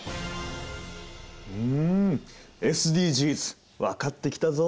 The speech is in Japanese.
んＳＤＧｓ分かってきたぞ！